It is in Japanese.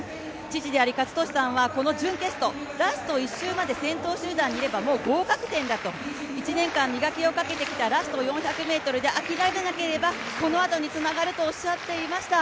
父である健智は準決勝、ラスト１周先頭集団にいればもう合格点だと、１年間、磨きをかけてきたラスト４００ｍで諦めなければこのあとにつながるとおっしゃっていました。